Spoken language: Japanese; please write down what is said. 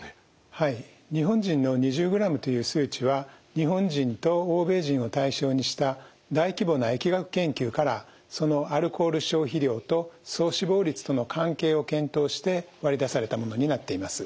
はい日本人の２０グラムという数値は日本人と欧米人を対象にした大規模な疫学研究からそのアルコール消費量と総死亡率との関係を検討して割り出されたものになっています。